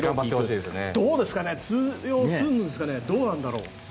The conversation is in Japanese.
どうですかね通用するんですかねどうなんだろう。